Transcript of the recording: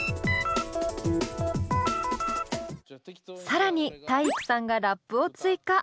更に体育さんがラップを追加。